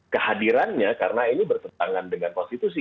kehadirannya karena ini bertentangan dengan konstitusi